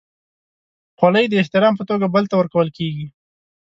خولۍ د احترام په توګه بل ته ورکول کېږي.